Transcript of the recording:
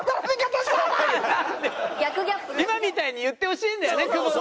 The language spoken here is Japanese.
今みたいに言ってほしいんだよね久保田は。